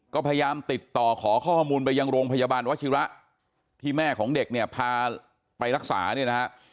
ก็พยายามติดต่อขอข้อมูลไปยังโรงพยาบาลวชิระที่แม่ของเด็กเนี่ยพาไปรักษาเนี่ยนะฮะ